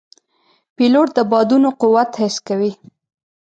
پیلوټ د بادونو قوت حس کوي.